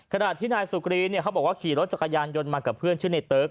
ขณะที่นายสุกรีเนี่ยเขาบอกว่าขี่รถจักรยานยนต์มากับเพื่อนชื่อในเติ๊ก